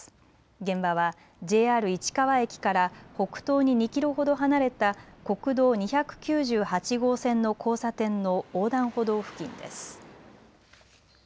現場はＪＲ市川駅から北東に２キロほど離れた国道２９８号線の交差点の横断歩道付近です。